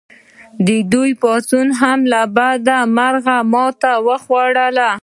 دې پاڅون هم له بده مرغه ماته وخوړه.